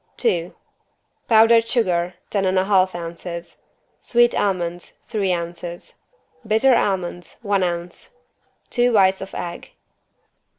II Powdered sugar, ten and a half ounces. Sweet almonds, three ounces. Bitter almonds, one ounce. Two whites of egg.